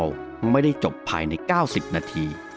สวัสดีครับ